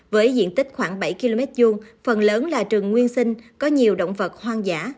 với diện tích khoảng bảy km hai phần lớn là rừng nguyên sinh có nhiều động vật hoang dã